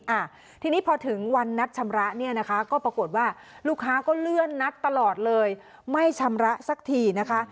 อ่าทีนี้พอถึงวันนัดชำระเนี่ยนะคะก็ปรากฏว่าลูกค้าก็เลื่อนนัดตลอดเลยไม่ชำระสักทีนะคะ